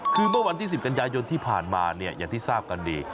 คือเมื่อวันที่๑๐กันยายนที่ผ่านมาเนี่ยอย่างที่ทราบกันดี